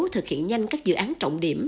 thực hiện nhanh các dự án trọng điểm